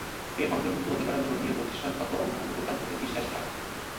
এর অন্তর্ভুক্ত হতে পারে, ধর্মীয় প্রতিষ্ঠান অথবা অন্য কোনো প্রথার প্রতি বিশ্বস্ত থাকা।